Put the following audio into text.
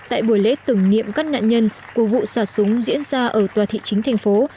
tại buổi lễ tưởng niệm các nạn nhân của vụ xả súng diễn ra ở tòa thị chính thành phố